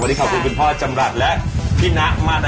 วันนี้ขอบคุณคุณพ่อจำรัฐและพี่นะมาก